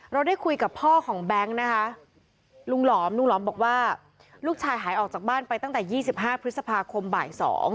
เราได้คุยกับพ่อของแบงค์นะคะลุงหลอมลุงหลอมบอกว่าลูกชายหายออกจากบ้านไปตั้งแต่๒๕พฤษภาคมบ่าย๒